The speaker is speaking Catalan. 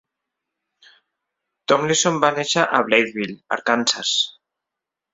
Tomlinson va néixer a Blytheville, Arkansas.